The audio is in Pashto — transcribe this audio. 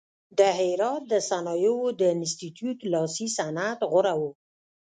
د هرات د صنایعو د انستیتیوت لاسي صنعت غوره و.